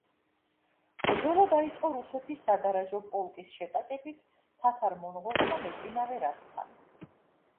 ბრძოლა დაიწყო რუსეთის სადარაჯო პოლკის შეტაკებით თათარ–მონღოლთა მეწინავე რაზმთან.